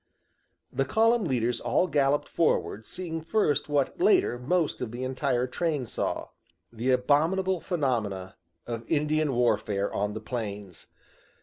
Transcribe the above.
The column leaders all galloped forward, seeing first what later most of the entire train saw the abominable phenomena of Indian warfare on the Plains.